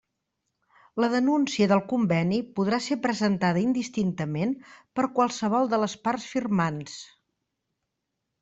La denúncia del conveni podrà ser presentada indistintament per qualsevol de les parts firmants.